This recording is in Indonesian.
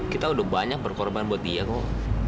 kita udah banyak berkorban buat dia kok